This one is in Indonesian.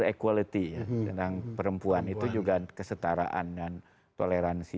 equality ya tentang perempuan itu juga kesetaraan dan toleransi